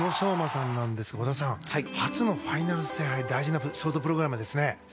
織田さん、初のファイナル制覇へ大事なショートプログラムです。